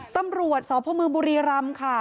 ตำรวจสพมบุรีรำค่ะ